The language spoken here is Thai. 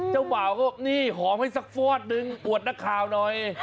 เจ้าบ่าวก็นี่หอมให้สักฟอดนึงอวดนักข่าวหน่อย